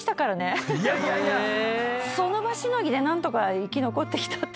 その場しのぎで何とか生き残ってきたって感じ。